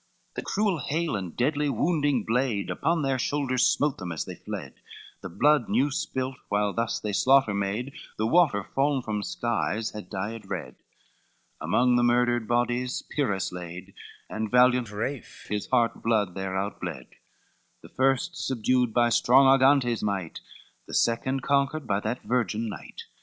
CXX The cruel hail, and deadly wounding blade, Upon their shoulders smote them as they fled, The blood new spilt while thus they slaughter made, The water fallen from skies had dyed red, Among the murdered bodies Pyrrhus laid, And valiant Raiphe his heart blood there out bled, The first subdued by strong Argantes' might, The second conquered by that virgin knight.